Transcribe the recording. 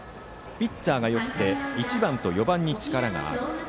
ピッチャーがよくて１番と４番に力がある。